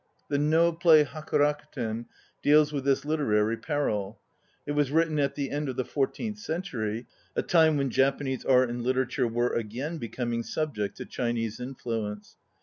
The No play Haku Rakuten deals with this literary peril. It was written at the end of the fourteenth century, a time when Japanese art and literature were again becoming subject to Chinese influence.